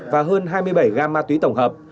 và hơn hai mươi bảy gam ma túy tổng hợp